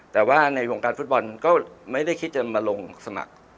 แต่ว่าในวงการฟุตบอลก็ไม่ได้คิดจะมาลงสมัคร